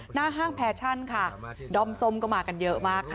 หน้าห้างแพชั่นดอมส้มก็มากันเยอะมาก